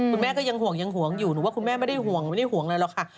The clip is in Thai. คุณแม่ก็ยังห่วงอยู่หนูว่าคุณแม่ไม่ได้ห่วงอะไรหรอกค่ะ